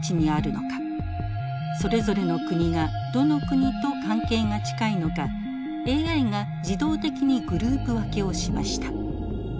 それぞれの国がどの国と関係が近いのかＡＩが自動的にグループ分けをしました。